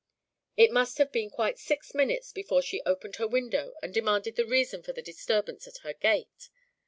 It must have been quite six minutes before she opened her window and demanded the reason for the disturbance at her gate.